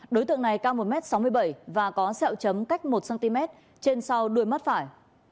đối tượng này cao một m sáu mươi bảy và có sẹo chấm cách một cm trên sau đuôi mắt phải